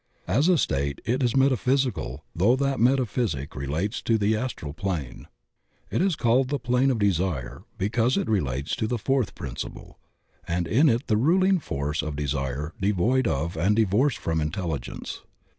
As a state it is meta physical though that metaphysic relates to the astral plane. It is called the plane of desire because it re lates to the fourth principle, and in it the ruling force is desire devoid of and divorced from intelligence.